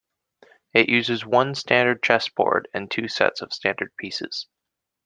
It uses one standard chessboard and two sets of standard pieces.